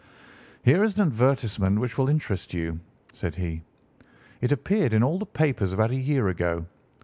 "Here is an advertisement which will interest you," said he. "It appeared in all the papers about a year ago.